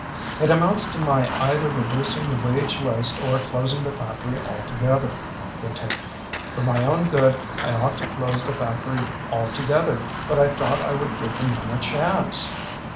"It amounts to my either reducing the wage list or closing the factory altogether," he continued. "For my own good I ought to close the factory altogether, but I thought I would give the men a chance."